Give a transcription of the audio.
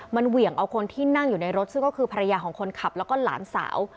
มันเหวี่ยงเอาคนที่นั่งอยู่ในรถซึ่งก็คือภรรยาของคนขับแล้วก็หลานสาว